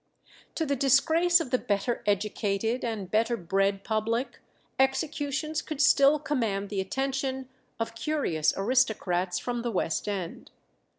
To the disgrace of the better educated and better bred public, executions could still command the attendance of curious aristocrats from the West End.